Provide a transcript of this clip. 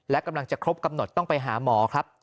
และกำลังจะครบกำหนดต้องไปหาหมอครับ